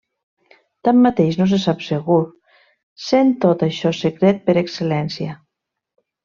Tanmateix, no se sap segur, sent tot això secret per excel·lència.